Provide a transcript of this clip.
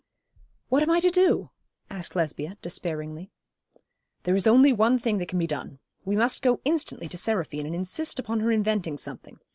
'What am I to do?' asked Lesbia, despairingly. 'There is only one thing that can be done. We must go instantly to Seraphine and insist upon her inventing something.